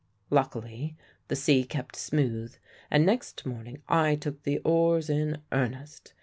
"Luckily the sea kept smooth, and next morning I took the oars in earnest.